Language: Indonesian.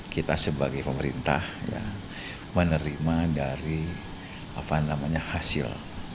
kita sebagai pemerintah menerima dari hasil